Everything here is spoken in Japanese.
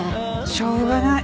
しょうがない。